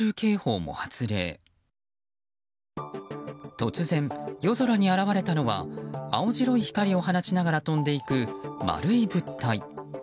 突然、夜空に現れたのは青白い光を放ちながら飛んでいく丸い物体。